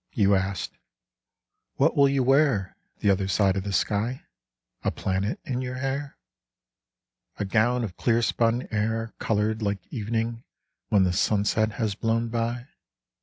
You asked, " What will you wear The other side of the sky? A planet in your hair ? A gown of clear spun air Colored like evening when The sunset has blown by?